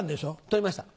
取りました。